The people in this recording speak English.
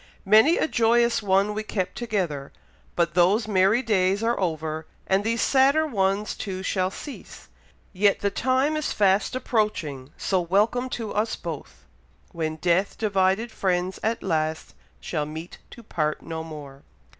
Many a joyous one we kept together, but those merry days are over, and these sadder ones too shall cease; yet the time is fast approaching, so welcome to us both, 'When death divided friends at last Shall meet to part no more.'"